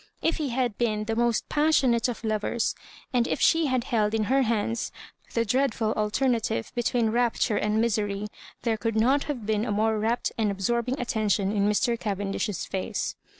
If he had been the most pas sionate of lovers, and if she had held in her hands the dreadful alternative between rapture and misery, there could not have been a more rapt and absorbing attention ui Mr. Cavendish's face.